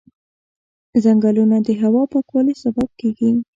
ځنګلونه د هوا پاکوالي سبب کېږي.